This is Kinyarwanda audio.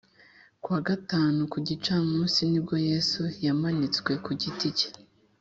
Ku wa Gatanu ku gicamunsi ni bwo Yesu yamanitswe ku giti cye